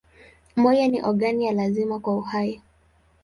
Moyo ni ogani ya lazima kwa uhai.